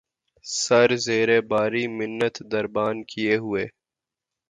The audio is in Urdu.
سر زیرِ بارِ منت درباں کیے ہوئے